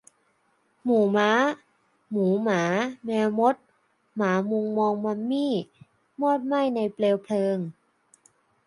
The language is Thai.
หมู่ม้าหมูหมาแมวมด มามุงมองมัมมี่มอดไหม้ในเปลวเพลิง